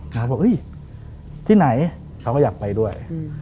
เขาบอกเฮ้ยที่ไหนเขาก็อยากไปด้วย